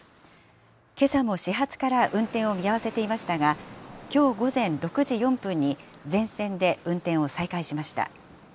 けさも始発から運転を見合わせていましたが、きょう午前６時４分に、全線で運転を再開しました。